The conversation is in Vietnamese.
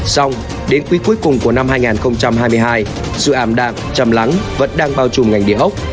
xong đến quý cuối cùng của năm hai nghìn hai mươi hai sự ảm đạc chầm lắng vẫn đang bao trùm ngành địa ốc